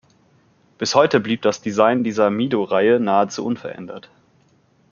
Bis heute blieb das Design dieser Mido-Reihe nahezu unverändert.